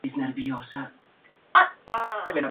En estos hechos de armas se señaló por sus dotes y heroísmo.